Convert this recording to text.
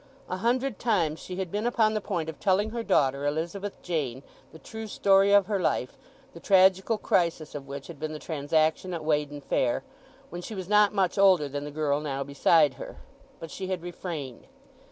A hundred times she had been upon the point of telling her daughter Elizabeth Jane the true story of her life, the tragical crisis of which had been the transaction at Weydon Fair, when she was not much older than the girl now beside her. But she had refrained.